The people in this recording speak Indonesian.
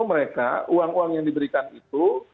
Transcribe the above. mereka uang uang yang diberikan itu